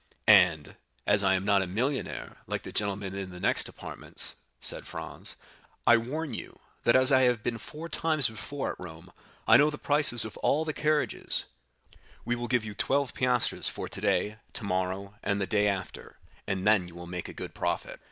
"And, as I am not a millionaire, like the gentleman in the next apartments," said Franz, "I warn you, that as I have been four times before at Rome, I know the prices of all the carriages; we will give you twelve piastres for today, tomorrow, and the day after, and then you will make a good profit."